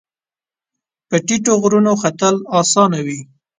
په ټیټو غرونو ختل اسان وي